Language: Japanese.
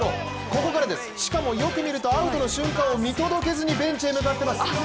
ここからです、しかもよく見るとアウトの瞬間を見届けずにベンチへ向かっています。